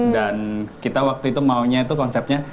kita waktu itu maunya itu konsepnya